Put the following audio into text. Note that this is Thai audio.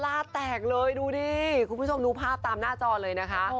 ลาแตกเลยดูดิคุณผู้ชมดูภาพตามหน้าจอเลยนะคะ